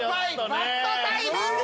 バッドタイミング！